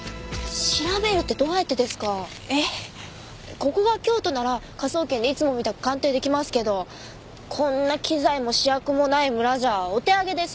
ここが京都なら科捜研でいつもみたく鑑定出来ますけどこんな機材も試薬もない村じゃお手上げです。